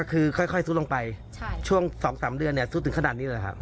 ก็คือค่อยซุดลงไปช่วงสองสามเดือนเนี่ยซุดถึงขนาดนี้เลยครับ